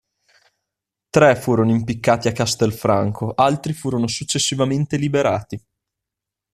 Tre furono impiccati a Castelfranco, altri furono successivamente liberati.